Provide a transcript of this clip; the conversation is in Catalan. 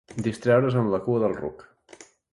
Distreure's amb la cua del ruc.